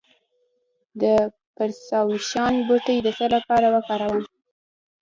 د پرسیاوشان بوټی د څه لپاره وکاروم؟